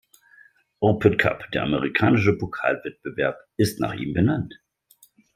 Open Cup, der amerikanische Pokalwettbewerb, ist nach ihm benannt.